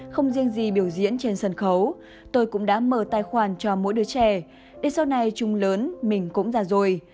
không riêng gì biểu diễn trên sân khấu tôi cũng đã mở tài khoản cho mỗi đứa trẻ để sau này chung lớn mình cũng già rồi